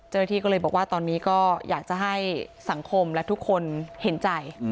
เจ้าหน้าที่ก็เลยบอกว่าตอนนี้ก็อยากจะให้สังคมและทุกคนเห็นใจ